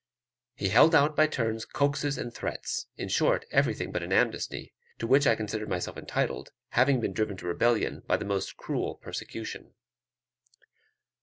He held out by turns coaxes and threats; in short, everything but an amnesty, to which I considered myself entitled, having been driven to rebellion by the most cruel persecution.